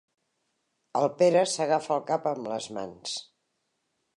El Pere s'agafa el cap amb les mans.